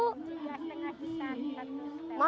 tiga setengah juta satu setengah